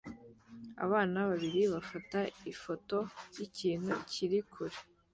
Abana babiri bafata ifoto yikintu kiri kure